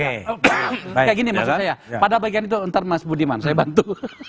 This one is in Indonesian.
kayak gini maksud saya pada bagian itu ntar mas budiman saya bantu